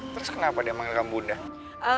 terus kenapa dia manggilkan bunda